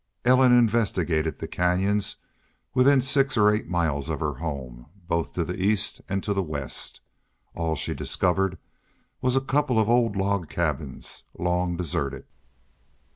Ellen investigated the canyons within six or eight miles of her home, both to east and to west. All she discovered was a couple of old log cabins, long deserted.